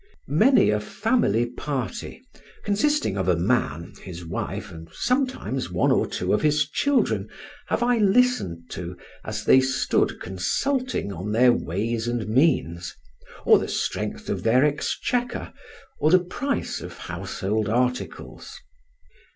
Many a family party, consisting of a man, his wife, and sometimes one or two of his children, have I listened to, as they stood consulting on their ways and means, or the strength of their exchequer, or the price of household articles.